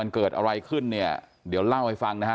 เกิดอะไรขึ้นเดี๋ยวเล่าให้ฟัง